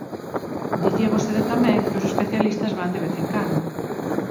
Dicía vostede tamén que os especialistas van de vez en cando.